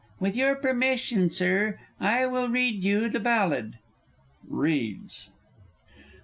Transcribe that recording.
With your permission, Sir, I will read you the Ballad. [_Reads.